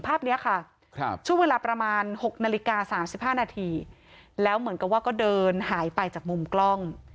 ภาพนี้ค่ะช่วงเวลาประมาณ๖นาฬิกา๓๕นาทีแล้วเหมือนกับว่าก็เดินหายไปจากมุมกล้อง